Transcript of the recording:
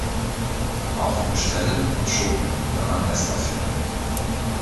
Auch in Ställen und Schuppen kann man Nester finden.